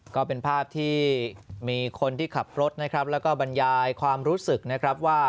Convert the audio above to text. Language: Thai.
ก็เป็นภาพที่มีคนที่ขับรถนะครับแล้วก็บรรยายความรู้สึกนะครับว่า